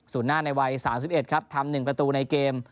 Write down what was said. ส่วนหน้าในวัย๓๑ครับทำ๑ประตูในเกม